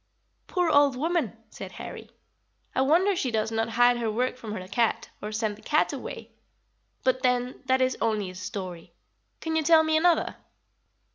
"Poor old woman!" said Harry; "I wonder she does not hide her work from the cat, or send the cat away. But then, that is only a story. Can you tell me another?"